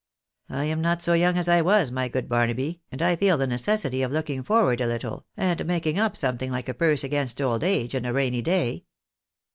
I am not so young as I was, my good Barnaby, and I feel the necessity of looking forward a little, and making up something like a purse against old age and a rainy day.